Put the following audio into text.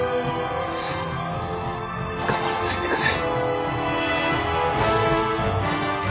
捕まらないでくれ。